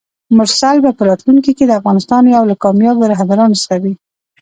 مرسل به په راتلونکي کې د افغانستان یو له کاميابو رهبرانو څخه وي!